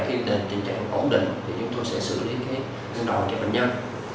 khi tình trạng ổn định thì chúng tôi sẽ xử lý cái xương đòn cho bệnh nhân